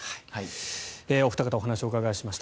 お二方にお話を伺いました。